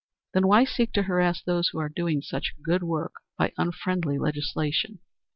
"Then why seek to harass those who are doing such good work by unfriendly legislation?"